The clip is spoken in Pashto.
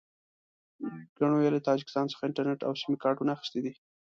ګڼو یې له تاجکستان څخه انټرنېټ او سیم کارټونه اخیستي دي.